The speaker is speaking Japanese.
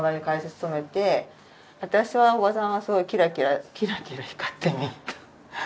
私は伯母さんはすごくキラキラキラキラ光って見えた。